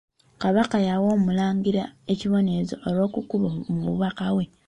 Kabaka yawa Omulangira ekibonerezo olw'okukuba omubaka we.